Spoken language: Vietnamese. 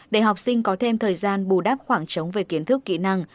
để học sinh có thêm thời gian bù đắp khoảng trống về kiến thức kỹ năng